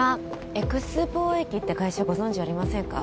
エクス貿易って会社ご存じありませんか？